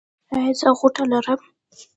ایا زه غوټه لرم؟